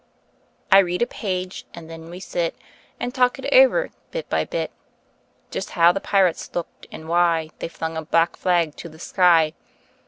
I read a page, and then we sit And talk it over, bit by bit; Just how the pirates looked, and why They flung a black flag to the sky.